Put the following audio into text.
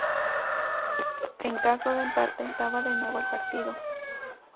En caso de empate, se disputaba de nuevo el partido.